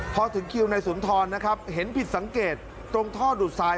พอถึงคิวนายสุนทรนะครับเห็นผิดสังเกตตรงท่อดูดทราย